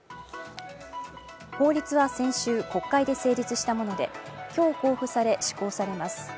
法律は先週、国会で成立したもので今日公布され、施行されます。